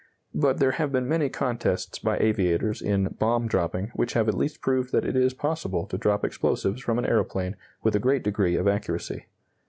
But there have been many contests by aviators in "bomb dropping" which have at least proved that it is possible to drop explosives from an aeroplane with a great degree of accuracy.